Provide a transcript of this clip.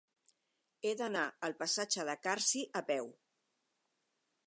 He d'anar al passatge de Carsi a peu.